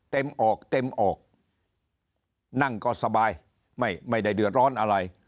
ออกเต็มออกนั่งก็สบายไม่ไม่ได้เดือดร้อนอะไร